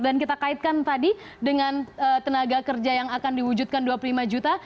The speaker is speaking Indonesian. dan kita kaitkan tadi dengan tenaga kerja yang akan diwujudkan dua puluh lima juta